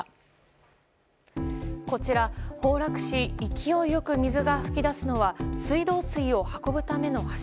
こちら、崩落し勢い良く水が噴き出すのは水道水を運ぶための橋。